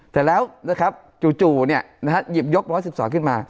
แต่แล้วนะครับจู่เนี่ยนะฮะหยิบยก๑๑๒ขึ้นมา